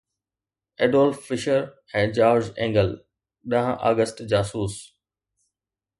Adolf Fischer ۽ George Engel ڏانهن August جاسوس